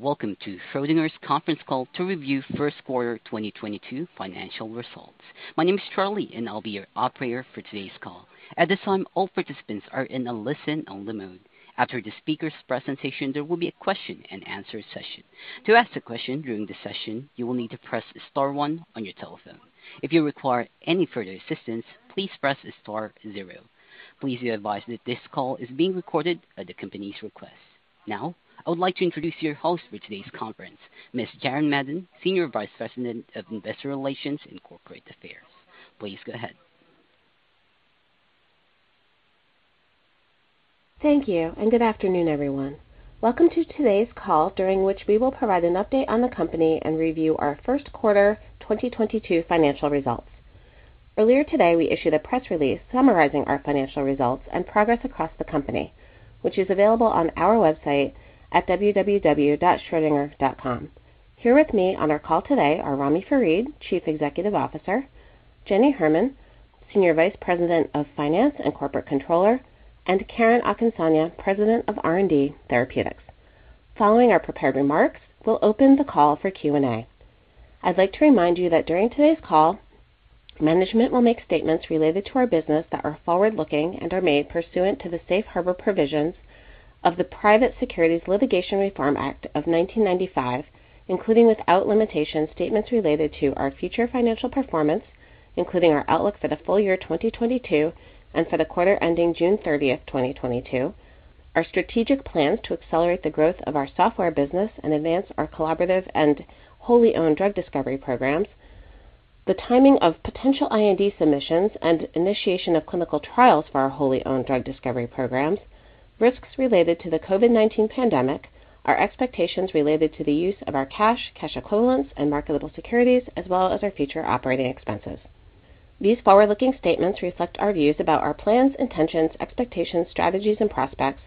Welcome to Schrödinger's Conference Call to review First Quarter 2022 Financial Results. My name is Charlie, and I'll be your operator for today's call. At this time, all participants are in a listen-only mode. After the speaker's presentation, there will be a question-and-answer session. To ask a question during the session, you will need to press star one on your telephone. If you require any further assistance, please press star zero. Please be advised that this call is being recorded at the company's request. Now, I would like to introduce your host for today's conference, Ms. Jaren Madden, Senior Vice President of Investor Relations and Corporate Affairs. Please go ahead. Thank you, and good afternoon, everyone. Welcome to today's call, during which we will provide an update on the company and review our first quarter 2022 financial results. Earlier today, we issued a press release summarizing our financial results and progress across the company, which is available on our website at www.schrödinger.com. Here with me on our call today are Ramy Farid, Chief Executive Officer, Jenny Herman, Senior Vice President of Finance and Corporate Controller, and Karen Akinsanya, President of R&D Therapeutics. Following our prepared remarks, we'll open the call for Q&A. I'd like to remind you that during today's call, management will make statements related to our business that are forward-looking and are made pursuant to the Safe Harbor provisions of the Private Securities Litigation Reform Act of 1995, including without limitation, statements related to our future financial performance, including our outlook for the full year 2022 and for the quarter ending June 30th, 2022, our strategic plans to accelerate the growth of our software business and advance our collaborative and wholly-owned drug discovery programs, the timing of potential IND submissions and initiation of clinical trials for our wholly-owned drug discovery programs, risks related to the COVID-19 pandemic, our expectations related to the use of our cash equivalents, and marketable securities, as well as our future operating expenses. These forward-looking statements reflect our views about our plans, intentions, expectations, strategies, and prospects,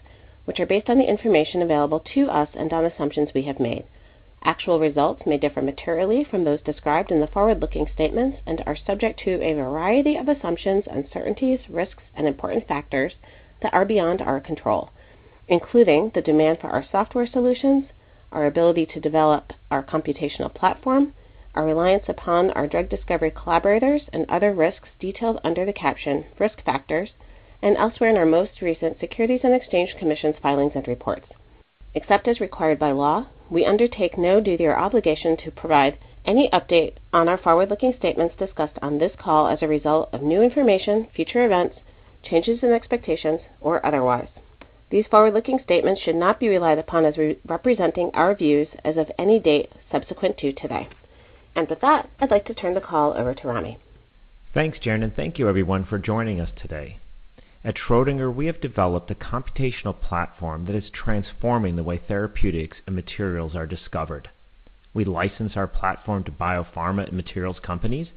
which are based on the information available to us and on assumptions we have made. Actual results may differ materially from those described in the forward-looking statements and are subject to a variety of assumptions, uncertainties, risks, and important factors that are beyond our control, including the demand for our software solutions, our ability to develop our computational platform, our reliance upon our drug discovery collaborators and other risks detailed under the caption Risk Factors and elsewhere in our most recent Securities and Exchange Commission filings and reports. Except as required by law, we undertake no duty or obligation to provide any update on our forward-looking statements discussed on this call as a result of new information, future events, changes in expectations, or otherwise. These forward-looking statements should not be relied upon as representing our views as of any date subsequent to today. With that, I'd like to turn the call over to Ramy. Thanks, Jaren, and thank you everyone for joining us today. At Schrödinger, we have developed a computational platform that is transforming the way therapeutics and materials are discovered. We license our platform to biopharma and materials companies,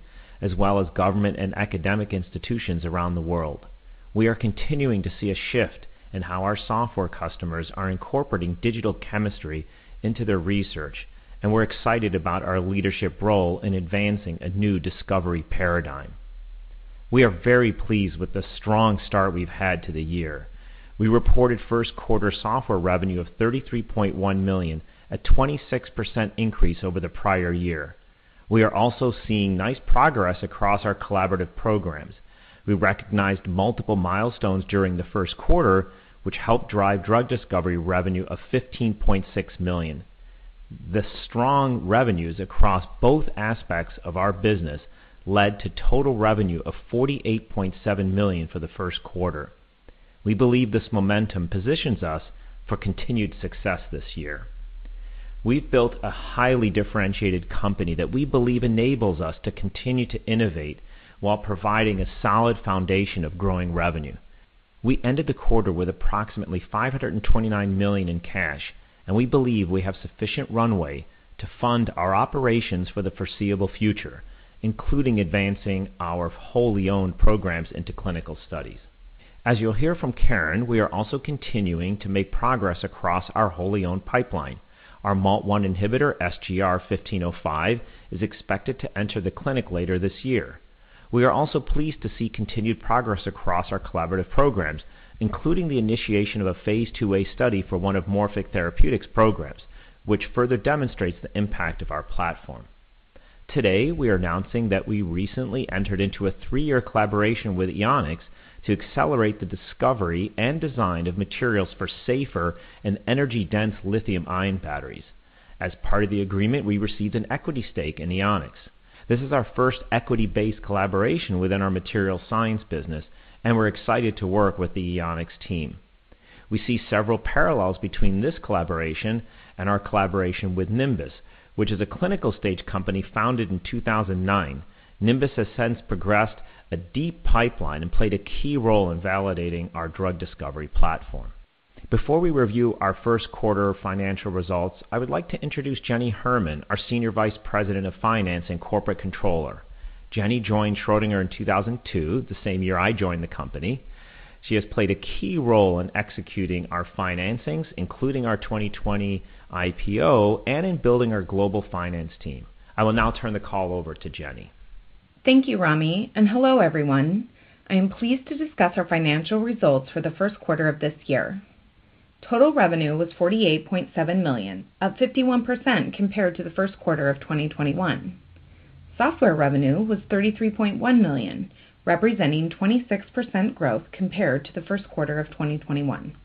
as well as government and academic institutions around the world. We are continuing to see a shift in how our software customers are incorporating digital chemistry into their research, and we're excited about our leadership role in advancing a new discovery paradigm. We are very pleased with the strong start we've had to the year. We reported first quarter software revenue of $33.1 million, a 26% increase over the prior year. We are also seeing nice progress across our collaborative programs. We recognized multiple milestones during the first quarter, which helped drive drug discovery revenue of $15.6 million. The strong revenues across both aspects of our business led to total revenue of $48.7 million for the first quarter. We believe this momentum positions us for continued success this year. We've built a highly differentiated company that we believe enables us to continue to innovate while providing a solid foundation of growing revenue. We ended the quarter with approximately $529 million in cash, and we believe we have sufficient runway to fund our operations for the foreseeable future, including advancing our wholly owned programs into clinical studies. As you'll hear from Karen, we are also continuing to make progress across our wholly owned pipeline. Our MALT1 inhibitor, SGR-1505, is expected to enter the clinic later this year. We are also pleased to see continued progress across our collaborative programs, including the initiation of a phase II-A study for one of Morphic Therapeutic's programs, which further demonstrates the impact of our platform. Today, we are announcing that we recently entered into a three-year collaboration with Eonix to accelerate the discovery and design of materials for safer and energy-dense lithium-ion batteries. As part of the agreement, we received an equity stake in Eonix. This is our first equity-based collaboration within our materials science business, and we're excited to work with the Eonix team. We see several parallels between this collaboration and our collaboration with Nimbus, which is a clinical stage company founded in 2009. Nimbus has since progressed a deep pipeline and played a key role in validating our drug discovery platform. Before we review our first quarter financial results, I would like to introduce Jenny Herman, our Senior Vice President of Finance and Corporate Controller. Jenny joined Schrödinger in 2002, the same year I joined the company. She has played a key role in executing our financings, including our 2020 IPO and in building our global finance team. I will now turn the call over to Jenny. Thank you, Ramy, and hello, everyone. I am pleased to discuss our financial results for the first quarter of this year. Total revenue was $48.7 million, up 51% compared to the first quarter of 2021. Software revenue was $33.1 million, representing 26% growth compared to the first quarter of 2021.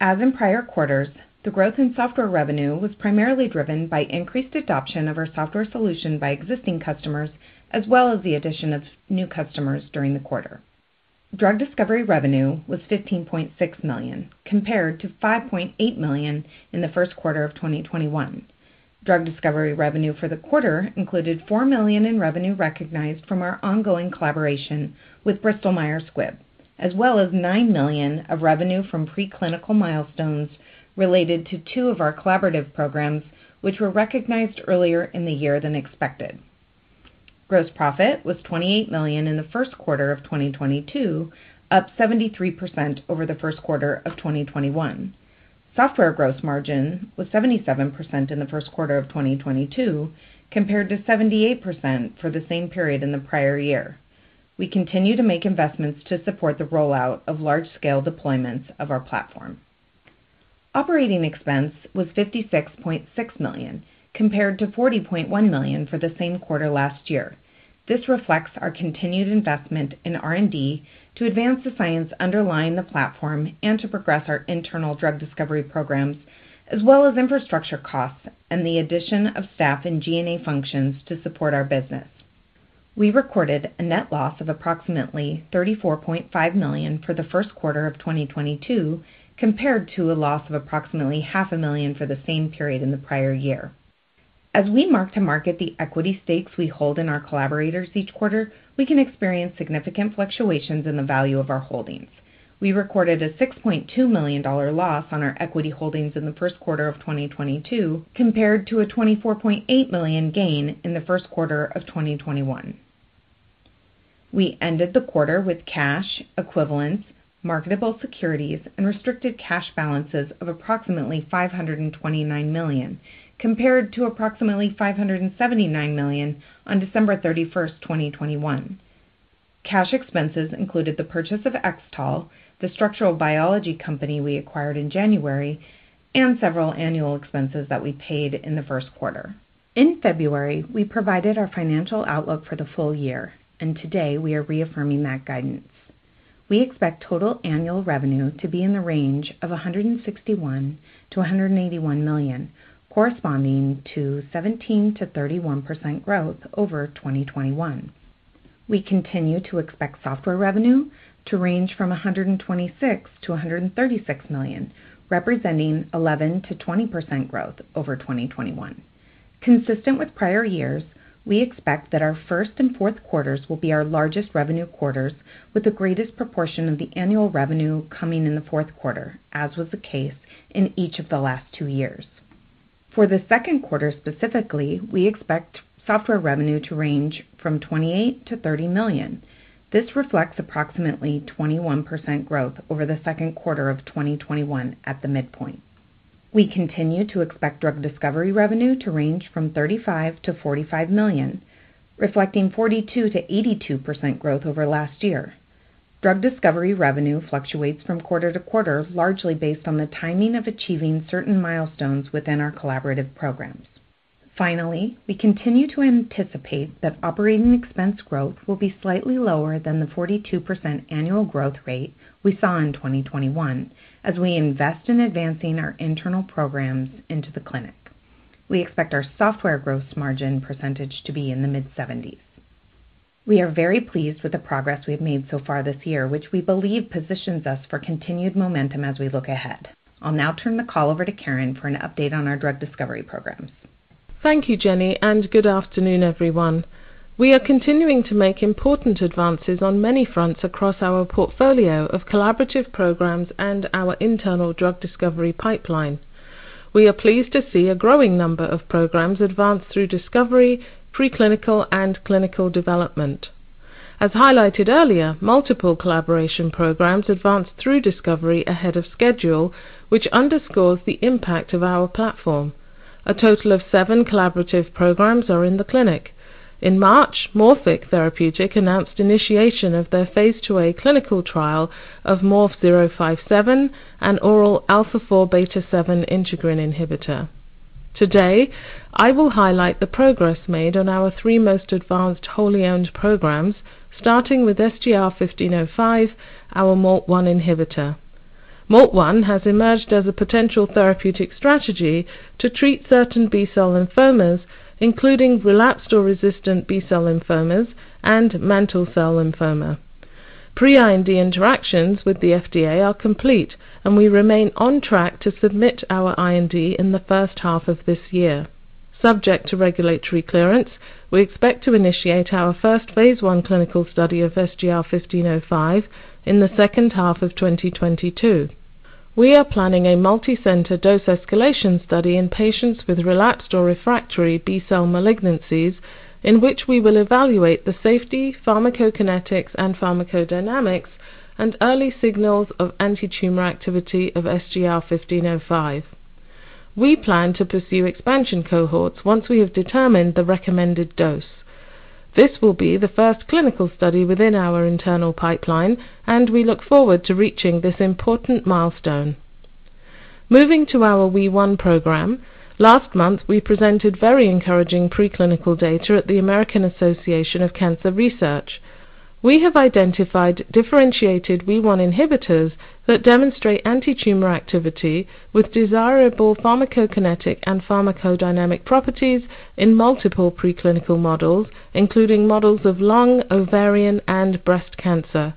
As in prior quarters, the growth in software revenue was primarily driven by increased adoption of our software solution by existing customers, as well as the addition of new customers during the quarter. Drug discovery revenue was $15.6 million, compared to $5.8 million in the first quarter of 2021. Drug discovery revenue for the quarter included $4 million in revenue recognized from our ongoing collaboration with Bristol Myers Squibb, as well as $9 million of revenue from preclinical milestones related to two of our collaborative programs, which were recognized earlier in the year than expected. Gross profit was $28 million in the first quarter of 2022, up 73% over the first quarter of 2021. Software gross margin was 77% in the first quarter of 2022, compared to 78% for the same period in the prior year. We continue to make investments to support the rollout of large-scale deployments of our platform. Operating expense was $56.6 million, compared to $40.1 million for the same quarter last year. This reflects our continued investment in R&D to advance the science underlying the platform and to progress our internal drug discovery programs, as well as infrastructure costs and the addition of staff and G&A functions to support our business. We recorded a net loss of approximately $34.5 million for the first quarter of 2022, compared to a loss of approximately half a million for the same period in the prior year. As we mark-to-market the equity stakes we hold in our collaborators each quarter, we can experience significant fluctuations in the value of our holdings. We recorded a $6.2 million loss on our equity holdings in the first quarter of 2022, compared to a $24.8 million gain in the first quarter of 2021. We ended the quarter with cash equivalents, marketable securities, and restricted cash balances of approximately $529 million, compared to approximately $579 million on December 31st, 2021. Cash expenses included the purchase of XTAL, the structural biology company we acquired in January, and several annual expenses that we paid in the first quarter. In February, we provided our financial outlook for the full year, and today we are reaffirming that guidance. We expect total annual revenue to be in the range of $161 million-$181 million, corresponding to 17%-31% growth over 2021. We continue to expect software revenue to range from $126 million-$136 million, representing 11%-20% growth over 2021. Consistent with prior years, we expect that our first and fourth quarters will be our largest revenue quarters with the greatest proportion of the annual revenue coming in the fourth quarter, as was the case in each of the last two years. For the second quarter specifically, we expect software revenue to range from $28 million-$30 million. This reflects approximately 21% growth over the second quarter of 2021 at the midpoint. We continue to expect drug discovery revenue to range from $35 million-$45 million, reflecting 42%-82% growth over last year. Drug discovery revenue fluctuates from quarter-to-quarter, largely based on the timing of achieving certain milestones within our collaborative programs. Finally, we continue to anticipate that operating expense growth will be slightly lower than the 42% annual growth rate we saw in 2021 as we invest in advancing our internal programs into the clinic. We expect our software gross margin percentage to be in the mid-70s%. We are very pleased with the progress we have made so far this year, which we believe positions us for continued momentum as we look ahead. I'll now turn the call over to Karen for an update on our drug discovery programs. Thank you, Jenny, and good afternoon, everyone. We are continuing to make important advances on many fronts across our portfolio of collaborative programs and our internal drug discovery pipeline. We are pleased to see a growing number of programs advance through discovery, preclinical, and clinical development. As highlighted earlier, multiple collaboration programs advanced through discovery ahead of schedule, which underscores the impact of our platform. A total of seven collaborative programs are in the clinic. In March, Morphic Therapeutic announced initiation of their phase II-A clinical trial of MORF-057 and oral alpha-4 beta-7 integrin inhibitor. Today, I will highlight the progress made on our three most advanced wholly-owned programs, starting with SGR-1505, our MALT1 inhibitor. MALT1 has emerged as a potential therapeutic strategy to treat certain B-cell lymphomas, including relapsed or resistant B-cell lymphomas and mantle cell lymphoma. Pre-IND interactions with the FDA are complete, and we remain on track to submit our IND in the first half of this year. Subject to regulatory clearance, we expect to initiate our first phase 1 clinical study of SGR-1505 in the second half of 2022. We are planning a multicenter dose escalation study in patients with relapsed or refractory B-cell malignancies in which we will evaluate the safety, pharmacokinetics, and pharmacodynamics and early signals of antitumor activity of SGR-1505. We plan to pursue expansion cohorts once we have determined the recommended dose. This will be the first clinical study within our internal pipeline, and we look forward to reaching this important milestone. Moving to our WEE1 program. Last month, we presented very encouraging preclinical data at the American Association for Cancer Research. We have identified differentiated WEE1 inhibitors that demonstrate antitumor activity with desirable pharmacokinetic and pharmacodynamic properties in multiple preclinical models, including models of lung, ovarian, and breast cancer.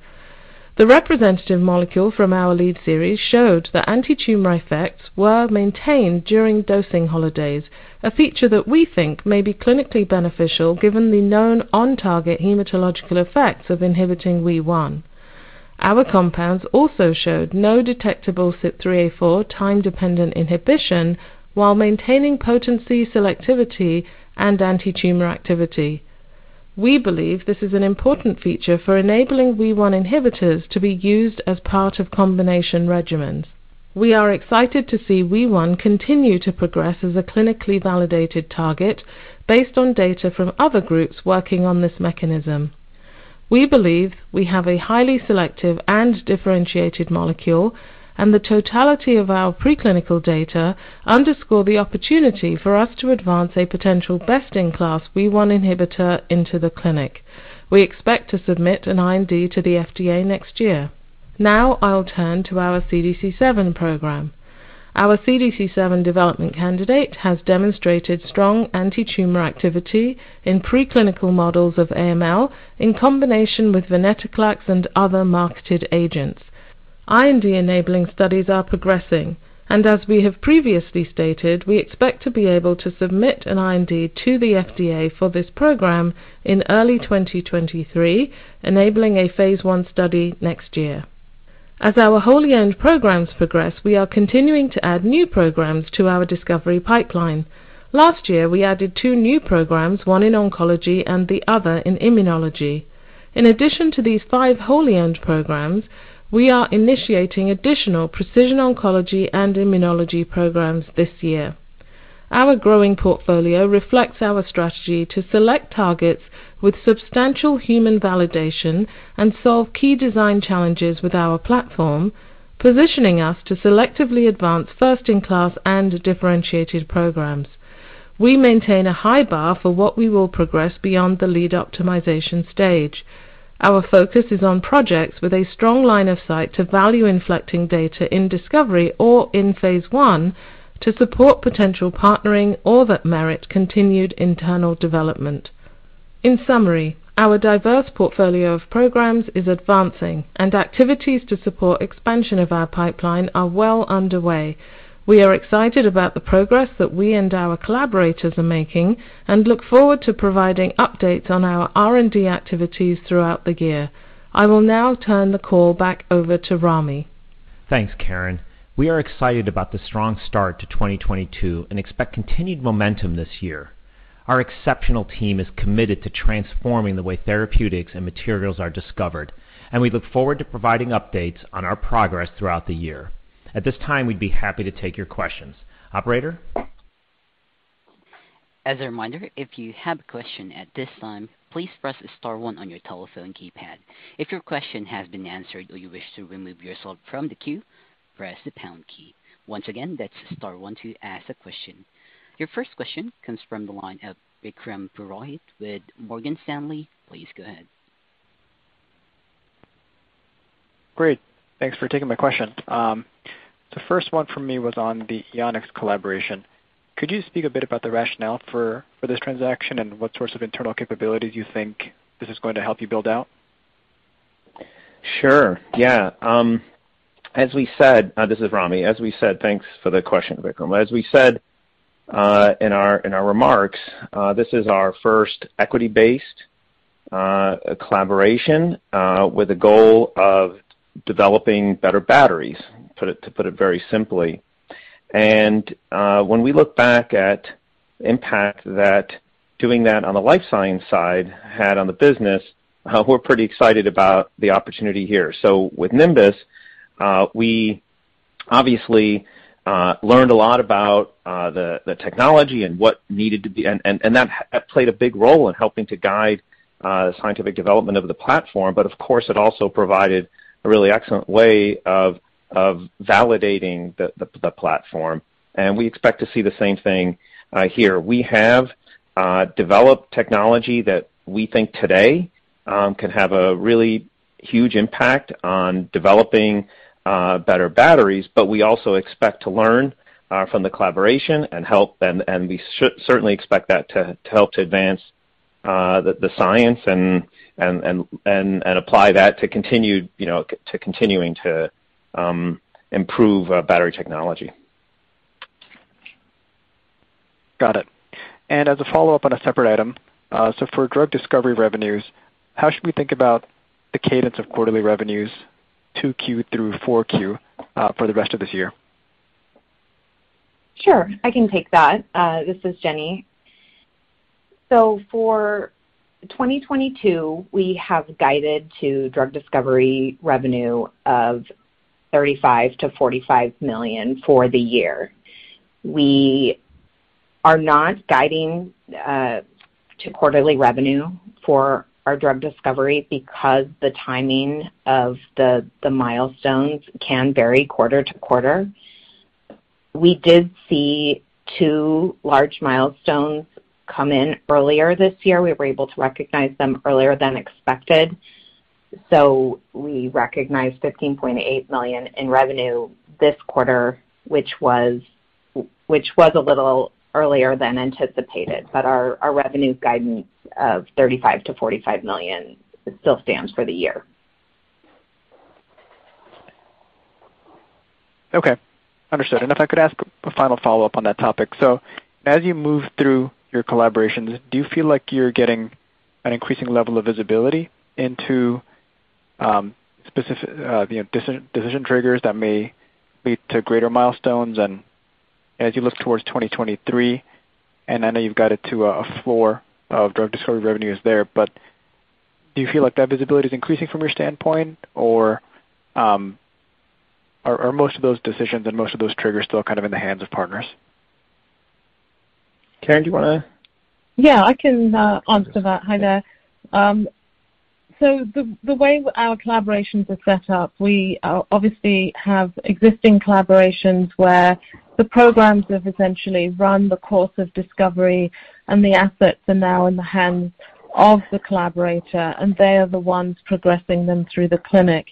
The representative molecule from our lead series showed that antitumor effects were maintained during dosing holidays, a feature that we think may be clinically beneficial given the known on-target hematological effects of inhibiting WEE1. Our compounds also showed no detectable CYP3A4 time-dependent inhibition while maintaining potency, selectivity, and antitumor activity. We believe this is an important feature for enabling WEE1 inhibitors to be used as part of combination regimens. We are excited to see WEE1 continue to progress as a clinically validated target based on data from other groups working on this mechanism. We believe we have a highly selective and differentiated molecule, and the totality of our preclinical data underscore the opportunity for us to advance a potential best-in-class WEE1 inhibitor into the clinic. We expect to submit an IND to the FDA next year. Now I'll turn to our CDC7 program. Our CDC7 development candidate has demonstrated strong antitumor activity in preclinical models of AML in combination with Venetoclax and other marketed agents. IND-enabling studies are progressing, and as we have previously stated, we expect to be able to submit an IND to the FDA for this program in early 2023, enabling a phase I study next year. As our wholly-owned programs progress, we are continuing to add new programs to our discovery pipeline. Last year, we added two new programs, one in oncology and the other in immunology. In addition to these five wholly owned programs, we are initiating additional precision oncology and immunology programs this year. Our growing portfolio reflects our strategy to select targets with substantial human validation and solve key design challenges with our platform, positioning us to selectively advance first-in-class and differentiated programs. We maintain a high bar for what we will progress beyond the lead optimization stage. Our focus is on projects with a strong line of sight to value-inflecting data in discovery or in phase one to support potential partnering or that merit continued internal development. In summary, our diverse portfolio of programs is advancing, and activities to support expansion of our pipeline are well underway. We are excited about the progress that we and our collaborators are making and look forward to providing updates on our R&D activities throughout the year. I will now turn the call back over to Ramy. Thanks, Karen. We are excited about the strong start to 2022 and expect continued momentum this year. Our exceptional team is committed to transforming the way therapeutics and materials are discovered, and we look forward to providing updates on our progress throughout the year. At this time, we'd be happy to take your questions. Operator? As a reminder, if you have a question at this time, please press star one on your telephone keypad. If your question has been answered or you wish to remove yourself from the queue, press the pound key. Once again, that's star one to ask a question. Your first question comes from the line of Vikram Purohit with Morgan Stanley. Please go ahead. Great. Thanks for taking my question. The first one for me was on the Eonix collaboration. Could you speak a bit about the rationale for this transaction and what sorts of internal capabilities you think this is going to help you build out? Sure. Yeah. This is Ramy. Thanks for the question, Vikram. As we said in our remarks, this is our first equity-based collaboration with the goal of developing better batteries, to put it very simply. When we look back at impact that doing that on the life science side had on the business, we're pretty excited about the opportunity here. With Nimbus, we obviously learned a lot about the technology and what needed to be. That played a big role in helping to guide scientific development of the platform. But of course, it also provided a really excellent way of validating the platform, and we expect to see the same thing here. We have developed technology that we think today can have a really huge impact on developing better batteries, but we also expect to learn from the collaboration and help them, and we certainly expect that to help to advance the science and apply that to continuing, you know, to improve battery technology. Got it. As a follow-up on a separate item. For drug discovery revenues, how should we think about the cadence of quarterly revenues, 2Q through 4Q, for the rest of this year? Sure. I can take that. This is Jenny. For 2022, we have guided to drug discovery revenue of $35 million-$45 million for the year. We are not guiding to quarterly revenue for our drug discovery because the timing of the milestones can vary quarter-to-quarter. We did see two large milestones come in earlier this year. We were able to recognize them earlier than expected. We recognized $15.8 million in revenue this quarter, which was a little earlier than anticipated. Our revenue guidance of $35 million-$45 million still stands for the year. Okay. Understood. If I could ask a final follow-up on that topic. As you move through your collaborations, do you feel like you're getting an increasing level of visibility into, you know, decision triggers that may lead to greater milestones and as you look towards 2023, and I know you've got it to a floor of drug discovery revenues there, but do you feel like that visibility is increasing from your standpoint? Or, are most of those decisions and most of those triggers still kind of in the hands of partners? Karen, do you wanna? Yeah, I can answer that. Hi there. The way our collaborations are set up, we obviously have existing collaborations where the programs have essentially run the course of discovery and the assets are now in the hands of the collaborator, and they are the ones progressing them through the clinic.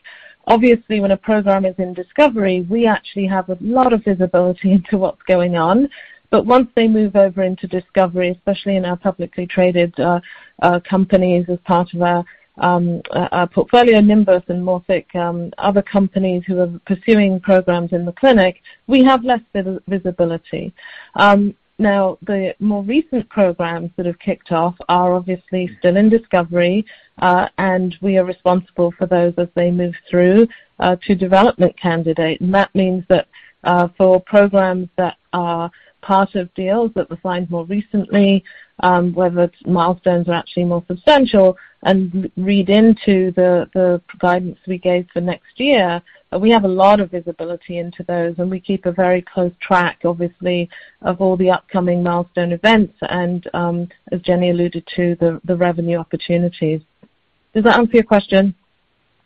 Obviously, when a program is in discovery, we actually have a lot of visibility into what's going on. Once they move over into discovery, especially in our publicly traded companies as part of our portfolio, Nimbus and Morphic, other companies who are pursuing programs in the clinic, we have less visibility. Now, the more recent programs that have kicked off are obviously still in discovery, and we are responsible for those as they move through to development candidate. That means that, for programs that are part of deals that were signed more recently, whether it's milestones are actually more substantial and read into the guidance we gave for next year, we have a lot of visibility into those, and we keep a very close track, obviously, of all the upcoming milestone events and, as Jenny alluded to, the revenue opportunities. Does that answer your question?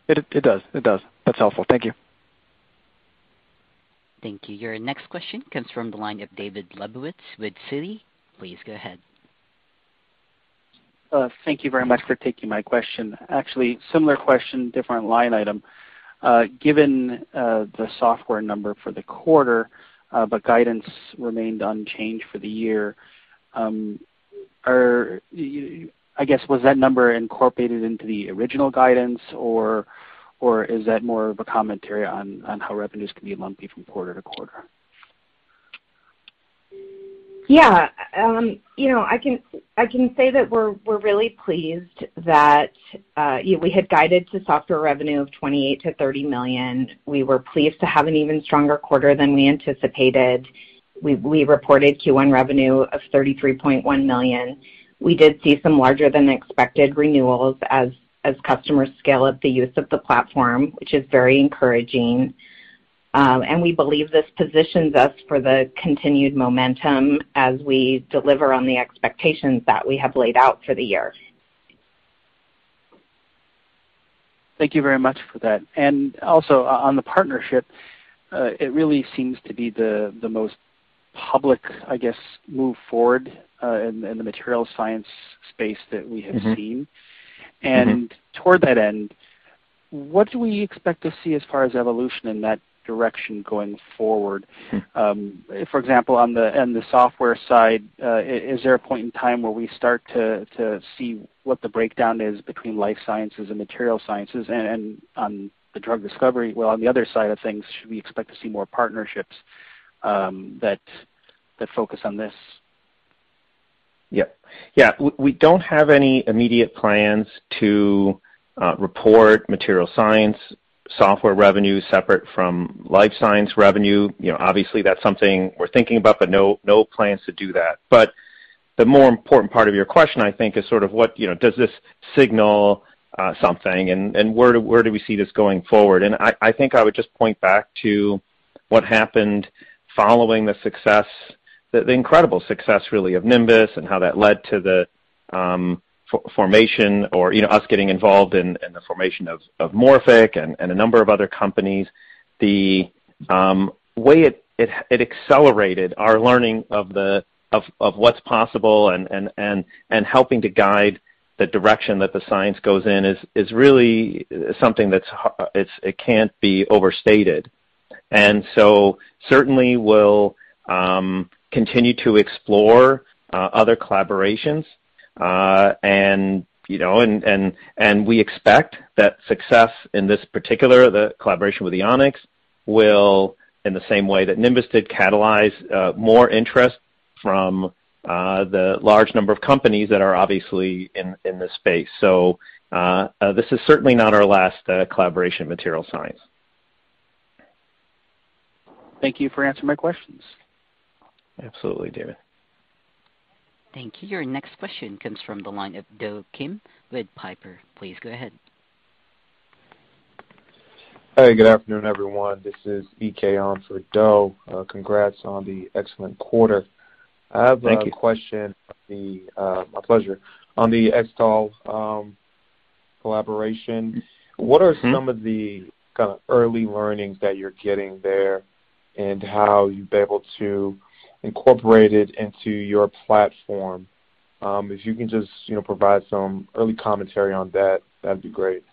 It does. That's helpful. Thank you. Thank you. Your next question comes from the line of David Lebowitz with Citi. Please go ahead. Thank you very much for taking my question. Actually, similar question, different line item. Given the software number for the quarter, but guidance remained unchanged for the year, was that number incorporated into the original guidance or is that more of a commentary on how revenues can be lumpy from quarter-to-quarter? Yeah. You know, I can say that we're really pleased that, you know, we had guided to software revenue of $28 million-$30 million. We were pleased to have an even stronger quarter than we anticipated. We reported Q1 revenue of $33.1 million. We did see some larger than expected renewals as customers scale up the use of the platform, which is very encouraging. We believe this positions us for the continued momentum as we deliver on the expectations that we have laid out for the year. Thank you very much for that. On the partnership, it really seems to be the most public, I guess, move forward in the materials science space that we have seen. Mm-hmm. Toward that end, what do we expect to see as far as evolution in that direction going forward? For example, in the software side, is there a point in time where we start to see what the breakdown is between life sciences and materials sciences? On the drug discovery, well, on the other side of things, should we expect to see more partnerships that focus on this? We don't have any immediate plans to report material science software revenue separate from life science revenue. You know, obviously that's something we're thinking about, but no plans to do that. The more important part of your question, I think, is sort of what, you know, does this signal something and where do we see this going forward? I think I would just point back to what happened following the success, the incredible success really of Nimbus and how that led to the formation or, you know, us getting involved in the formation of Morphic and a number of other companies. The way it accelerated our learning of what's possible and helping to guide the direction that the science goes in is really something that can't be overstated. Certainly we'll continue to explore other collaborations, and you know, we expect that success in this particular collaboration with Eonix will, in the same way that Nimbus did, catalyze more interest from the large number of companies that are obviously in this space. This is certainly not our last collaboration material science. Thank you for answering my questions. Absolutely, David. Thank you. Your next question comes from the line of Do Kim with Piper. Please go ahead. Hey, good afternoon, everyone. This is BK on for Do. Congrats on the excellent quarter. Thank you. I have a question. My pleasure. On the XTAL collaboration. Mm-hmm. What are some of the kind of early learnings that you're getting there and how you'll be able to incorporate it into your platform? If you can just, you know, provide some early commentary on that'd be great.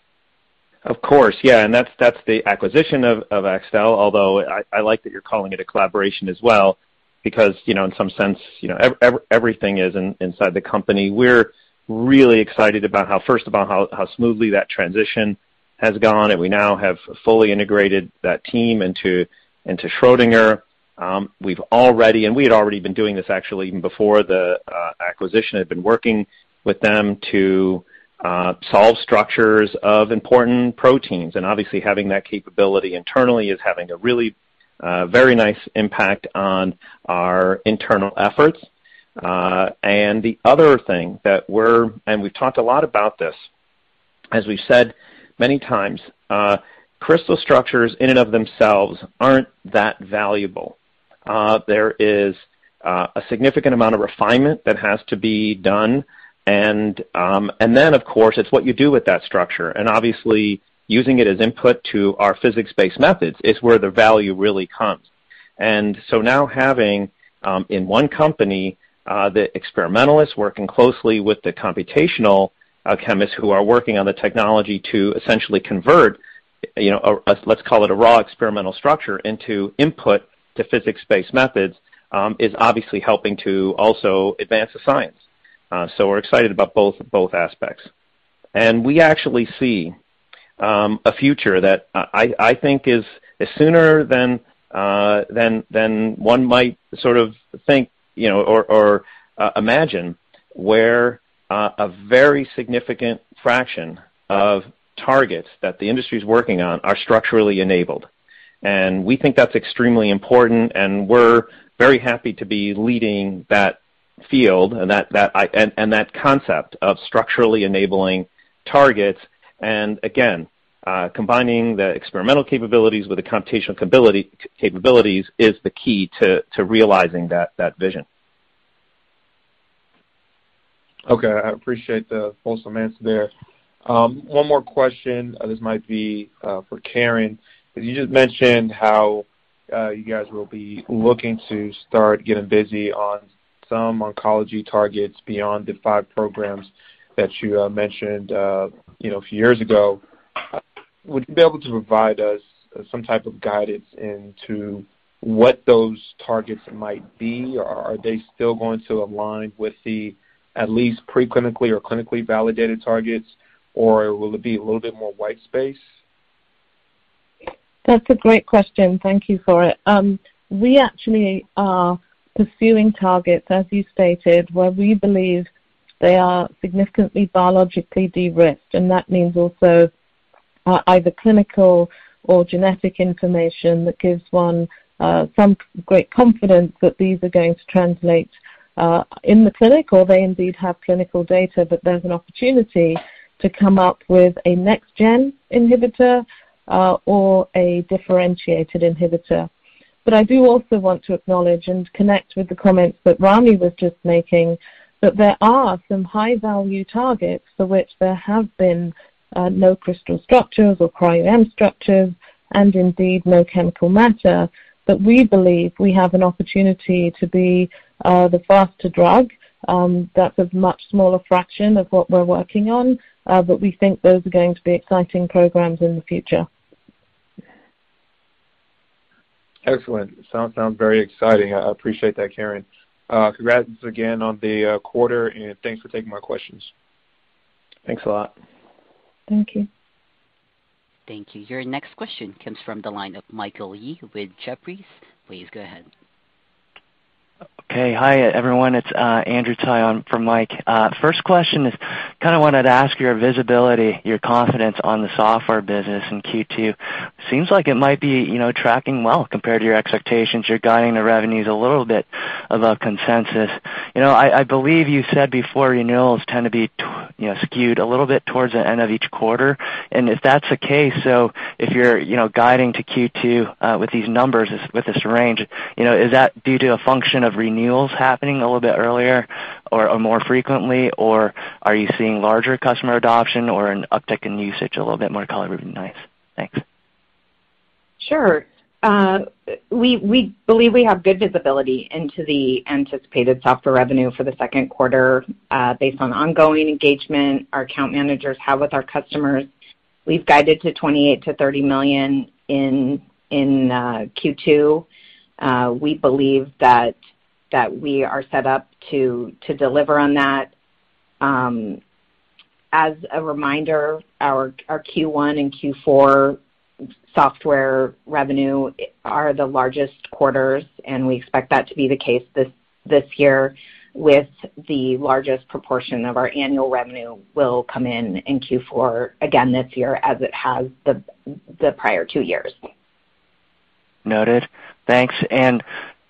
Of course. Yeah. That's the acquisition of XTAL, although I like that you're calling it a collaboration as well because, you know, in some sense, you know, everything is inside the company. We're really excited about how smoothly that transition has gone, and we now have fully integrated that team into Schrödinger. We had already been doing this actually even before the acquisition had been working with them to solve structures of important proteins, and obviously having that capability internally is having a really very nice impact on our internal efforts. The other thing that we've talked a lot about this, as we've said many times, crystal structures in and of themselves aren't that valuable. There is a significant amount of refinement that has to be done and then, of course, it's what you do with that structure. Obviously using it as input to our physics-based methods is where the value really comes. Now having in one company the experimentalists working closely with the computational chemists who are working on the technology to essentially convert, you know, a, let's call it a raw experimental structure into input to physics-based methods is obviously helping to also advance the science. We're excited about both aspects. We actually see a future that I think is sooner than one might sort of think, you know, or imagine where a very significant fraction of targets that the industry's working on are structurally enabled. We think that's extremely important, and we're very happy to be leading that field and that concept of structurally enabling targets. Again, combining the experimental capabilities with the computational capabilities is the key to realizing that vision. Okay. I appreciate the fulsome answer there. One more question. This might be for Karen. You just mentioned how you guys will be looking to start getting busy on some oncology targets beyond the five programs that you mentioned, you know, a few years ago. Would you be able to provide us some type of guidance into what those targets might be? Or are they still going to align with the at least pre-clinically or clinically validated targets, or will it be a little bit more white space? That's a great question. Thank you for it. We actually are pursuing targets, as you stated, where we believe they are significantly biologically de-risked, and that means also, either clinical or genetic information that gives one, some great confidence that these are going to translate, in the clinic or they indeed have clinical data, but there's an opportunity to come up with a next gen inhibitor, or a differentiated inhibitor. I do also want to acknowledge and connect with the comments that Ramy was just making, that there are some high value targets for which there have been no crystal structures or cryo-EM structures and indeed no chemical matter, but we believe we have an opportunity to be the faster drug, that's a much smaller fraction of what we're working on, but we think those are going to be exciting programs in the future. Excellent. Sounds very exciting. I appreciate that, Karen. Congrats again on the quarter, and thanks for taking my questions. Thanks a lot. Thank you. Thank you. Your next question comes from the line of Michael Yee with Jefferies. Please go ahead. Okay. Hi, everyone. It's Andrew Tsai on for Mike. First question is, kind of wanted to ask your visibility, your confidence on the software business in Q2. Seems like it might be, you know, tracking well compared to your expectations. You're guiding the revenues a little bit above consensus. You know, I believe you said before renewals tend to be, you know, skewed a little bit towards the end of each quarter. If that's the case, if you're, you know, guiding to Q2 with these numbers, with this range, you know, is that due to a function of renewals happening a little bit earlier or more frequently, or are you seeing larger customer adoption or an uptick in usage? A little bit more color would be nice. Thanks. Sure. We believe we have good visibility into the anticipated software revenue for the second quarter, based on ongoing engagement our account managers have with our customers. We've guided to $28 million-$30 million in Q2. We believe we are set up to deliver on that. As a reminder, our Q1 and Q4 software revenue are the largest quarters, and we expect that to be the case this year with the largest proportion of our annual revenue will come in Q4 again this year, as it has the prior two years. Noted. Thanks.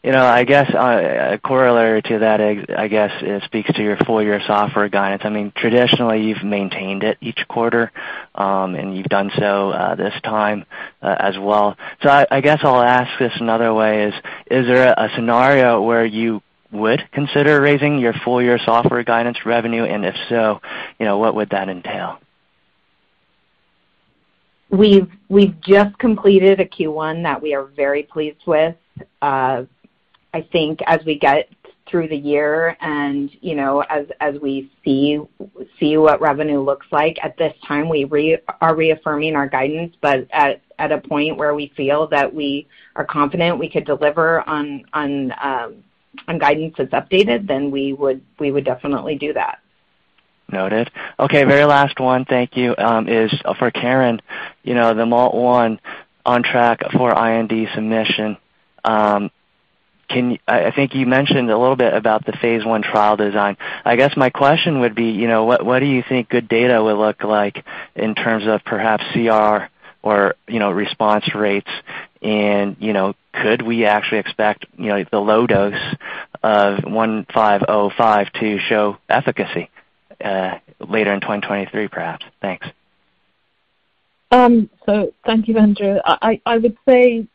You know, I guess corollary to that, I guess it speaks to your full year software guidance. I mean, traditionally, you've maintained it each quarter, and you've done so this time as well. I guess I'll ask this another way. Is there a scenario where you would consider raising your full year software guidance revenue? If so, you know, what would that entail? We've just completed a Q1 that we are very pleased with. I think as we get through the year and, you know, as we see what revenue looks like at this time, we are reaffirming our guidance, but at a point where we feel that we are confident we could deliver on guidance that's updated, then we would definitely do that. Noted. Okay, very last one, thank you, is for Karen. You know, the MALT1 on track for IND submission. I think you mentioned a little bit about the phase I trial design. I guess my question would be, you know, what do you think good data would look like in terms of perhaps CR or, you know, response rates? You know, could we actually expect, you know, the low dose of SGR-1505 to show efficacy, later in 2023, perhaps? Thanks. Thank you, Andrew. I would say,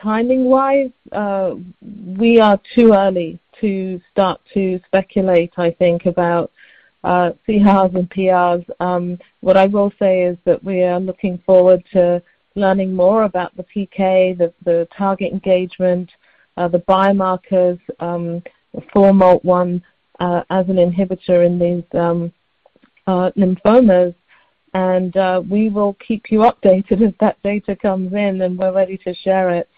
timing wise, we are too early to start to speculate, I think about CRs and PRs. What I will say is that we are looking forward to learning more about the PK, the target engagement, the biomarkers, for MALT1, as an inhibitor in these lymphomas. We will keep you updated as that data comes in, and we're ready to share it.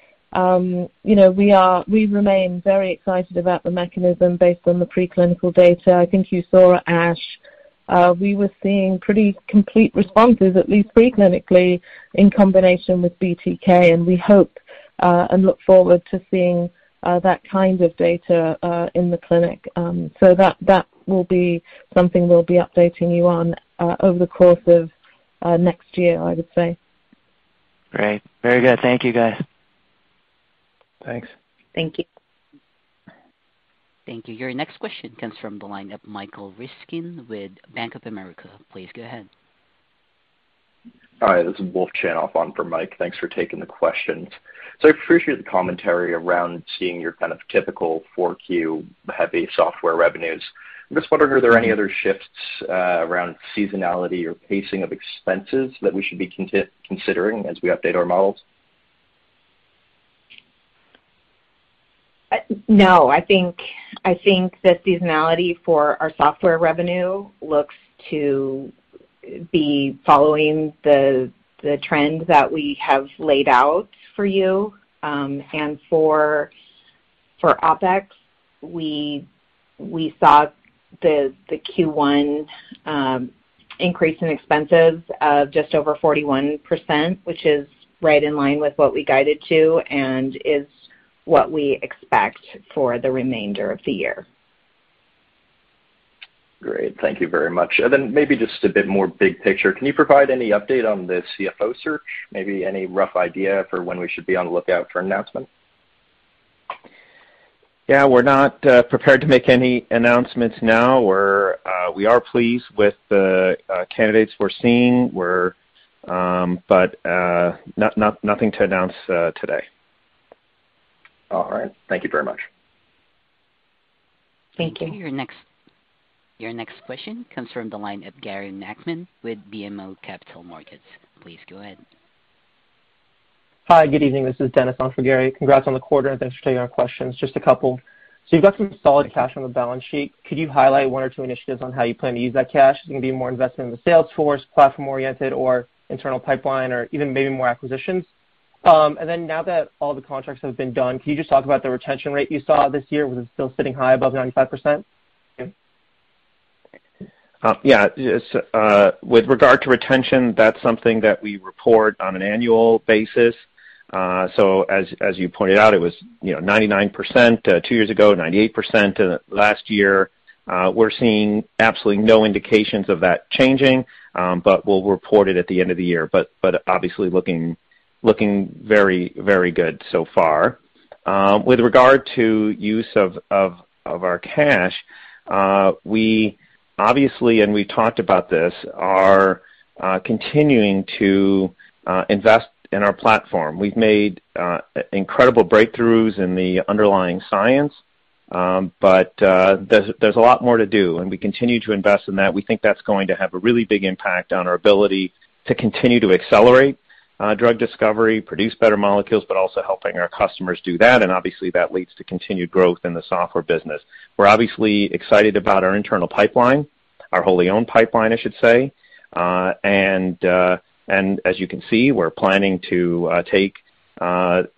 We remain very excited about the mechanism based on the preclinical data. I think you saw at ASH, we were seeing pretty complete responses, at least preclinically, in combination with BTK, and we hope and look forward to seeing that kind of data in the clinic. That will be something we'll be updating you on over the course of next year, I would say. Great. Very good. Thank you, guys. Thanks. Thank you. Thank you. Your next question comes from the line of Michael Ryskin with Bank of America. Please go ahead. Hi, this is Wolf Chanoff on for Mike. Thanks for taking the questions. I appreciate the commentary around seeing your kind of typical 4Q heavy software revenues. I'm just wondering, are there any other shifts around seasonality or pacing of expenses that we should be considering as we update our models? No. I think the seasonality for our software revenue looks to be following the trends that we have laid out for you. For OpEx, we saw the Q1 increase in expenses of just over 41%, which is right in line with what we guided to and is what we expect for the remainder of the year. Great. Thank you very much. Maybe just a bit more big picture. Can you provide any update on the CFO search? Maybe any rough idea for when we should be on the lookout for announcement? Yeah. We're not prepared to make any announcements now. We are pleased with the candidates we're seeing. Nothing to announce today. All right. Thank you very much. Thank you. Your next question comes from the line of Gary Nachman with BMO Capital Markets. Please go ahead. Hi, good evening. This is Dennis on for Gary. Congrats on the quarter. Thanks for taking our questions. Just a couple. You've got some solid cash on the balance sheet. Could you highlight one or two initiatives on how you plan to use that cash? Is it gonna be more investment in the sales force, platform-oriented or internal pipeline or even maybe more acquisitions? Then, now that all the contracts have been done, can you just talk about the retention rate you saw this year? Was it still sitting high above 95%? Yeah. It's with regard to retention, that's something that we report on an annual basis. So as you pointed out, it was, you know, 99% two years ago, 98% last year. We're seeing absolutely no indications of that changing. We'll report it at the end of the year. Obviously looking very good so far. With regard to use of our cash, we obviously, and we talked about this, are continuing to invest in our platform. We've made incredible breakthroughs in the underlying science, but there's a lot more to do, and we continue to invest in that. We think that's going to have a really big impact on our ability to continue to accelerate, drug discovery, produce better molecules, but also helping our customers do that, and obviously that leads to continued growth in the software business. We're obviously excited about our internal pipeline, our wholly owned pipeline, I should say. As you can see, we're planning to take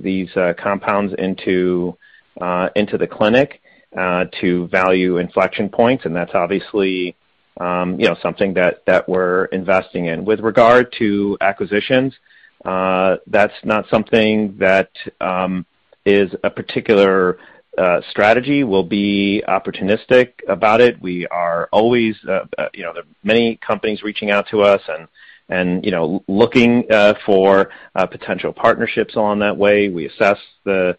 these compounds into the clinic to value inflection points. That's obviously, you know, something that we're investing in. With regard to acquisitions, that's not something that is a particular strategy. We'll be opportunistic about it. We are always, you know, there are many companies reaching out to us and, you know, looking for potential partnerships along that way. We assess the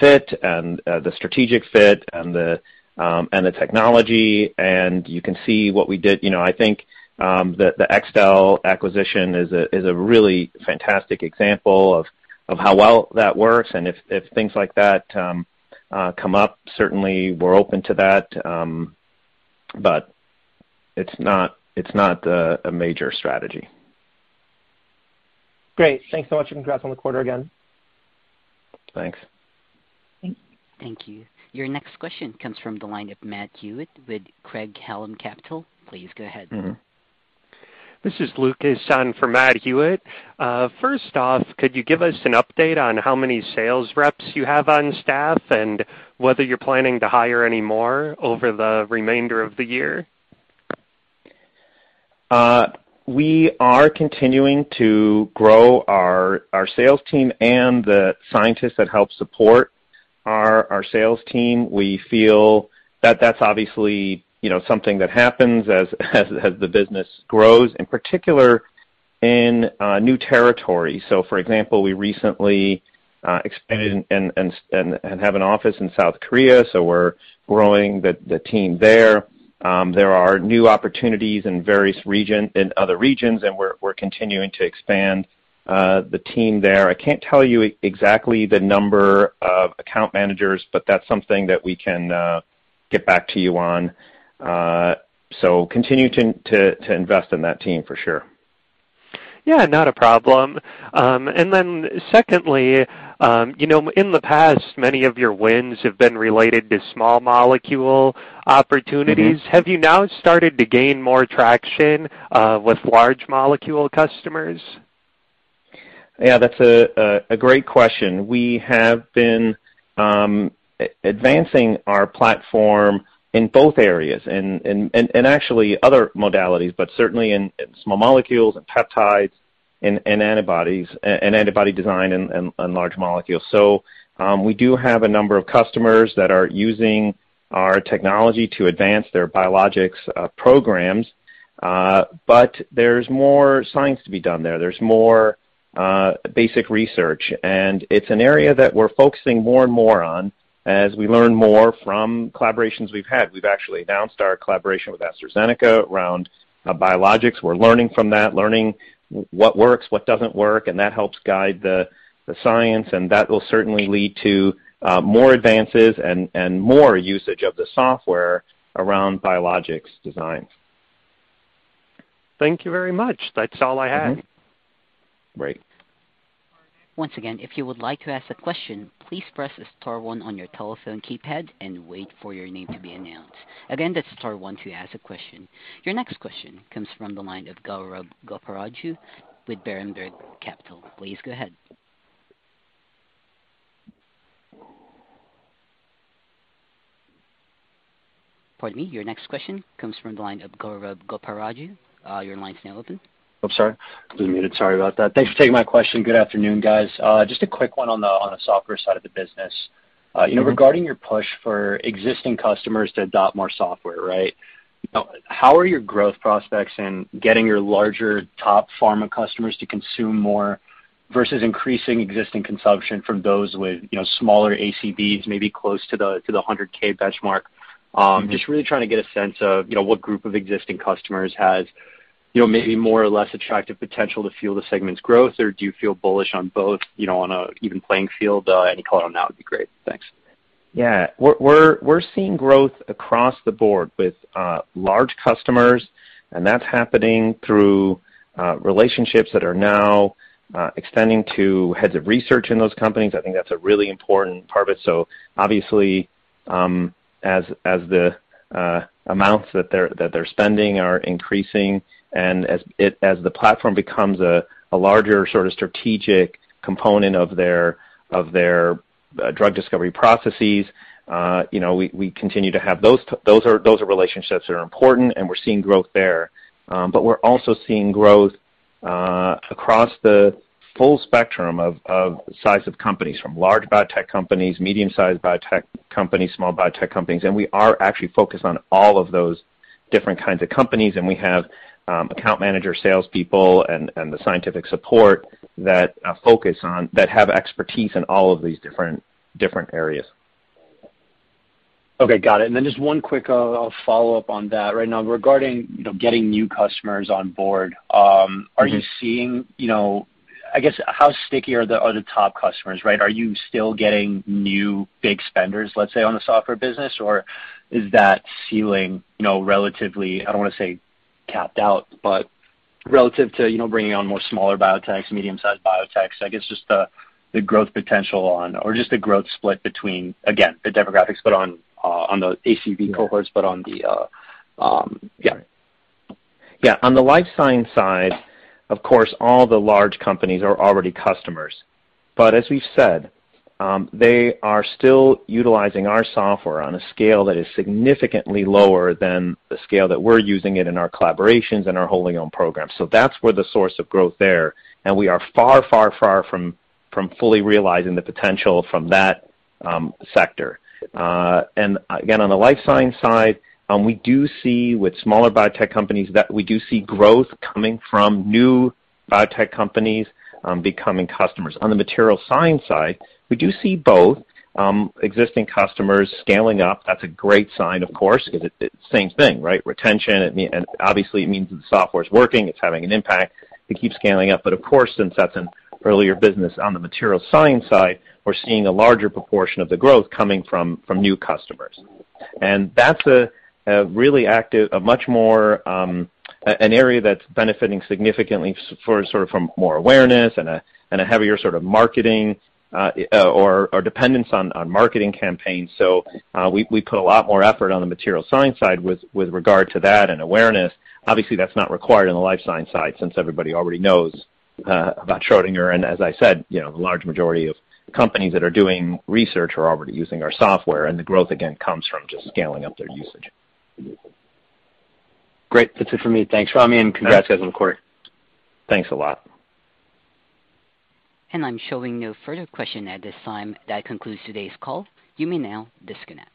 fit and the strategic fit and the technology, and you can see what we did. You know, I think, the XTAL acquisition is a really fantastic example of how well that works. If things like that come up, certainly we're open to that, but it's not a major strategy. Great. Thanks so much, and congrats on the quarter again. Thanks. Thank you. Your next question comes from the line of Matt Hewitt with Craig-Hallum Capital Group. Please go ahead. Mm-hmm. This is Lucas on for Matt Hewitt. First off, could you give us an update on how many sales reps you have on staff and whether you're planning to hire any more over the remainder of the year? We are continuing to grow our sales team and the scientists that help support our sales team. We feel that that's obviously, you know, something that happens as the business grows, in particular in new territory. For example, we recently expanded and have an office in South Korea, so we're growing the team there. There are new opportunities in other regions, and we're continuing to expand the team there. I can't tell you exactly the number of account managers, but that's something that we can get back to you on. Continue to invest in that team for sure. Yeah, not a problem. Secondly, you know, in the past, many of your wins have been related to small molecule opportunities. Mm-hmm. Have you now started to gain more traction, with large molecule customers? Yeah, that's a great question. We have been advancing our platform in both areas and actually other modalities, but certainly in small molecules and peptides and antibodies and antibody design and large molecules. We do have a number of customers that are using our technology to advance their biologics programs. There's more science to be done there. There's more basic research, and it's an area that we're focusing more and more on as we learn more from collaborations we've had. We've actually announced our collaboration with AstraZeneca around biologics. We're learning from that, learning what works, what doesn't work, and that helps guide the science and that will certainly lead to more advances and more usage of the software around biologics designs. Thank you very much. That's all I had. Mm-hmm. Great. Once again, if you would like to ask a question, please press star one on your telephone keypad and wait for your name to be announced. Again, that's star one to ask a question. Your next question comes from the line of Gaurav Goparaju with Berenberg Capital. Please go ahead. Pardon me. Your next question comes from the line of Gaurav Goparaju. Your line's now open. Oh, sorry. I was muted, sorry about that. Thanks for taking my question. Good afternoon, guys. Just a quick one on the software side of the business. Mm-hmm. You know, regarding your push for existing customers to adopt more software, right? How are your growth prospects in getting your larger top pharma customers to consume more versus increasing existing consumption from those with, you know, smaller ACVs, maybe close to the $100,000 benchmark? Mm-hmm. Just really trying to get a sense of, you know, what group of existing customers has, you know, maybe more or less attractive potential to fuel the segment's growth or do you feel bullish on both, you know, on a even playing field? Any color on that would be great. Thanks. Yeah. We're seeing growth across the board with large customers, and that's happening through relationships that are now extending to heads of research in those companies. I think that's a really important part of it. Obviously, as the amounts that they're spending are increasing and as the platform becomes a larger sort of strategic component of their drug discovery processes, you know, we continue to have those. Those are relationships that are important and we're seeing growth there. We're also seeing growth across the full spectrum of size of companies from large biotech companies, medium sized biotech companies, small biotech companies. We are actually focused on all of those different kinds of companies, and we have account managers, salespeople and the scientific support that have expertise in all of these different areas. Okay. Got it. Just one quick follow-up on that. Right now regarding, you know, getting new customers on board. Mm-hmm. Are you seeing, you know, I guess how sticky are the top customers, right? Are you still getting new big spenders, let's say, on the software business? Or is that ceiling, you know, relatively, I don't wanna say capped out, but relative to, you know, bringing on more smaller biotechs, medium sized biotechs, I guess just the growth potential on or just the growth split between, again, the demographics but on the ACV cohorts, but on the yeah. Yeah. On the life science side, of course, all the large companies are already customers, but as we've said, they are still utilizing our software on a scale that is significantly lower than the scale that we're using it in our collaborations and our wholly owned programs. That's where the source of growth there, and we are far from fully realizing the potential from that sector. Again, on the life science side, we do see with smaller biotech companies that we do see growth coming from new biotech companies becoming customers. On the materials science side, we do see both existing customers scaling up. That's a great sign, of course. It same thing, right? Retention, and obviously it means that the software's working, it's having an impact to keep scaling up. Of course, since that's an earlier business on the materials science side, we're seeing a larger proportion of the growth coming from new customers. That's a much more area that's benefiting significantly from more awareness and a heavier sort of marketing or dependence on marketing campaigns. We put a lot more effort on the materials science side with regard to that and awareness. Obviously, that's not required on the life science side since everybody already knows about Schrödinger. As I said, you know, the large majority of companies that are doing research are already using our software, and the growth again comes from just scaling up their usage. Great. That's it for me. Thanks, Ramy. All right. Congrats guys on the quarter. Thanks a lot. I'm showing no further question at this time. That concludes today's call. You may now disconnect.